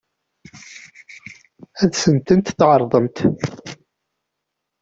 Ad sent-ten-tɛeṛḍem?